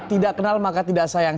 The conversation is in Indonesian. tidak kenal maka tidak sayang